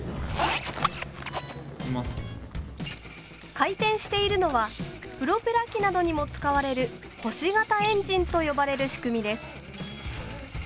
回転しているのはプロペラ機などにも使われる「星型エンジン」と呼ばれる仕組みです。